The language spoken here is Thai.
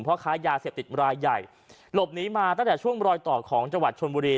พ่อค้ายาเสพติดรายใหญ่หลบหนีมาตั้งแต่ช่วงรอยต่อของจังหวัดชนบุรี